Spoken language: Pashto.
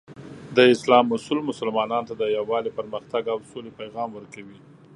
د اسلام اصول مسلمانانو ته د یووالي، پرمختګ، او سولې پیغام ورکوي.